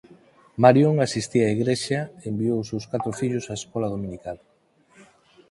Marion asistía á igrexa e enviou os seus catro fillos á escola dominical.